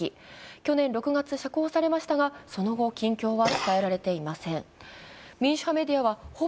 去年６月、釈放されましたがその後近況は伝えられていません。